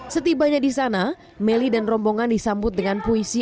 setibanya di sana melly dan rombongan disambut dengan puisi